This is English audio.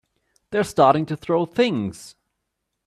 They're starting to throw things!